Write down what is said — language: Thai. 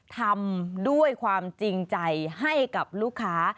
ทำด้วยความจริงใจให้กับลูกค้า